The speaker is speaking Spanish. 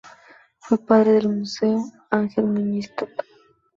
Fue padre del músico Ángel Muñiz Toca.